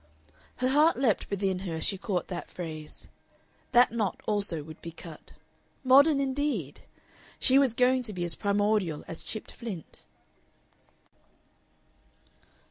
Her heart leaped within her as she caught that phrase. That knot also would be cut. Modern, indeed! She was going to be as primordial as chipped flint.